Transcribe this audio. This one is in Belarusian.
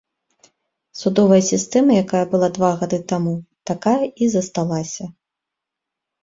Судовая сістэма якая была два гады таму, такая і засталася.